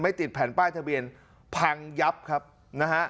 ติดแผ่นป้ายทะเบียนพังยับครับนะฮะ